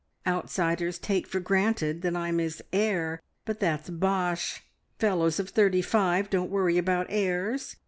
Outsiders take for granted that I'm his heir, but that's bosh. Fellows of thirty five don't worry about heirs.